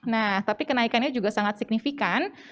nah tapi kenaikannya juga sangat signifikan